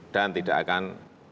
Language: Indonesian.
dan tidak akan